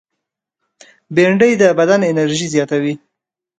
بېنډۍ د بدن انرژي زیاتوي